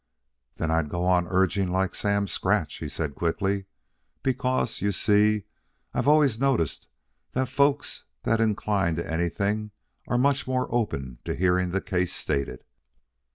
"Then I'd go on urging like Sam Scratch," he said quickly. "Because, you see, I've always noticed that folks that incline to anything are much more open to hearing the case stated.